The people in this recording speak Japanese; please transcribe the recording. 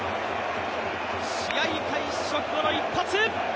試合開始直後の一発！